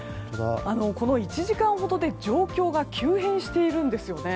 この１時間ほどで状況が急変しているんですね。